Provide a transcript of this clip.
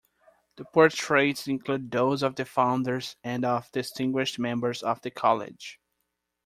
The portraits include those of the founders and of distinguished members of the college.